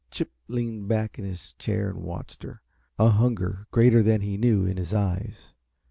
Chip leaned back in his chair and watched her, a hunger greater than he knew in his eyes.